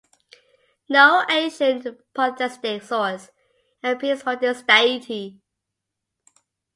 No ancient polytheistic source appears for this deity.